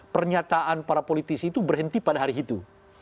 pernyataan para politisi itu berhenti pada hari itu